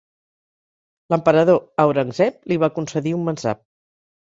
L'emperador Aurangzeb li va concedir un Mansab.